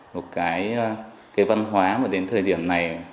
một cái văn hóa mà đến thời điểm này